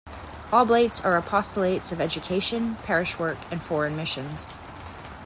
Oblates are apostolates of education, parish work and foreign missions.